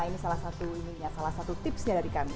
nah ini salah satu tipsnya dari kami